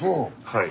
はい。